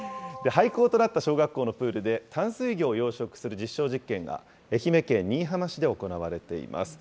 廃校となった小学校のプールで、淡水魚を養殖する実証実験が、愛媛県新居浜市で行われています。